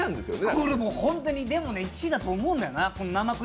これもう本当に、でも１位だと思うんだよな。